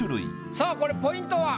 さあこれポイントは？